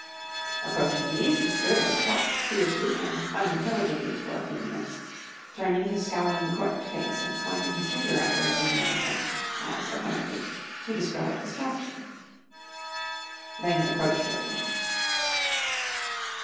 Approaching these, he stood and talked fiercely and unintelligibly for a few minutes, turning his scowling corked face and pointing his finger at her every now and then, as, apparently, he described his capture. Then he approached her again.